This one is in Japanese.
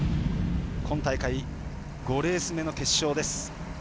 今大会５レース目の決勝です。